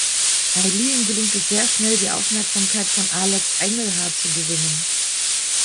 Aylin gelingt es sehr schnell die Aufmerksamkeit von Alex Engelhardt zu gewinnen.